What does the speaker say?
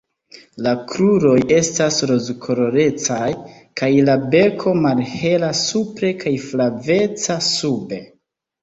La kruroj estas rozkolorecaj kaj la beko malhela supre kaj flaveca sube.